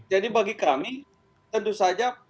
jadi bagi kami tentu saja